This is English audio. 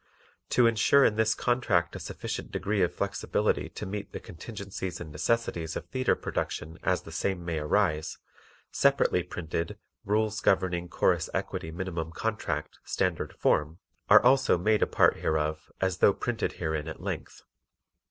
To insure in this contract a sufficient degree of flexibility to meet the contingencies and necessities of theatre production as the same may arise, separately printed "Rules Governing Chorus Equity Minimum Contract, Standard Form," are also made a part hereof as though printed herein at length.